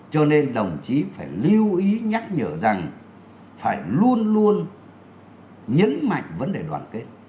cho nên đồng chí phải lưu ý nhắc nhở rằng phải luôn luôn nhấn mạnh vấn đề đoàn kết